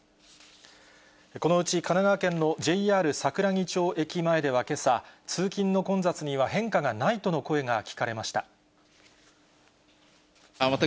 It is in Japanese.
このうち神奈川県のＪＲ桜木町駅前ではけさ、通勤の混雑には変化がないとの声が聞かれました。